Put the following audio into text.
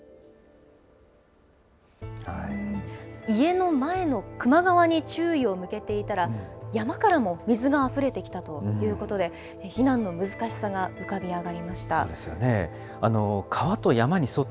家の前の球磨川に注意を向けていたら、山からも水があふれてきたということで、避難の難しさが浮かび上がりました。